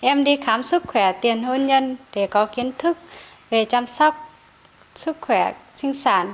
em đi khám sức khỏe tiền hôn nhân để có kiến thức về chăm sóc sức khỏe sinh sản